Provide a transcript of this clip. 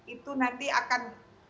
itu nanti akan